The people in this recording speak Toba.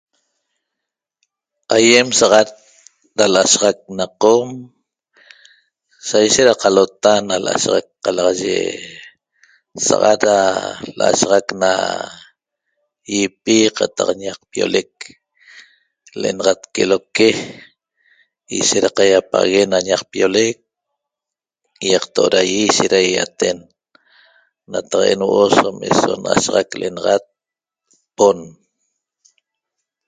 Aýem sa'axat da l'asahaxac na qom saishet da qalota na l'ashaxac qalaxaye sa'axat da l'ashaxac na ýipi qataq ñaqpiolec l'enaxat queloque ishet da qaiapaxaguen na ñaqpiolec ýaqto' da ýi ishet da ýaýaten nataq'en huo'o som eso n'ashaxac l'enaxat pon